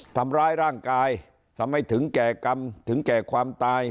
ทำร้ายร่างกายทำให้ถึงแก่กรรมถึงแก่ความตาย